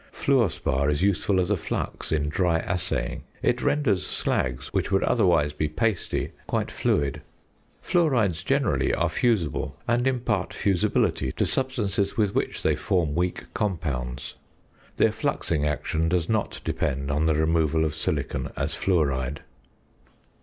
Fluor spar is useful as a flux in dry assaying; it renders slags, which would otherwise be pasty, quite fluid. Fluorides generally are fusible, and impart fusibility to substances with which they form weak compounds. Their fluxing action does not depend on the removal of silicon as fluoride.